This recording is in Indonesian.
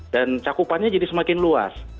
dan cakupannya jadi semakin luas